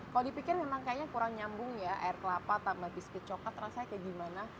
kalau dipikir memang kayaknya kurang nyambung ya air kelapa tambah biskuit coklat rasanya kayak gimana